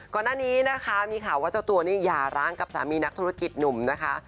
ก่อนหน้านี้นะคะมีข่าวว่าเจ้าตัวนี่หย่าร้างกับสามีนักธุรกิจหนุ่มนะคะ